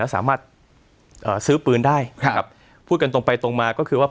สามารถเอ่อซื้อปืนได้ครับพูดกันตรงไปตรงมาก็คือว่า